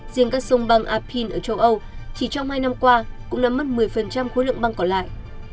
riêng các sông băng apin ở châu âu chỉ trong hai năm qua cũng đã mất một mươi khối lượng băng còn lại